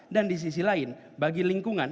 dan di sisi lain bagi lingkungan